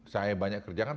saya banyak kerjakan